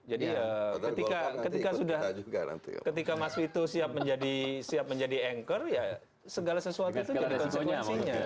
jadi ketika mas ferry itu siap menjadi anchor segala sesuatu itu jadi konsekuensinya